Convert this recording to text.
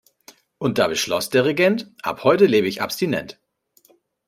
Und da beschloss der Regent: Ab heute lebe ich abstinent.